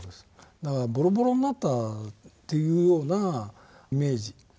だからボロボロになったというようなイメージ。